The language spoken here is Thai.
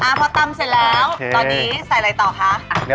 เย้เค่าตำเสร็จแล้วตอนนี้ใส่อะไรต่อคะอันนี้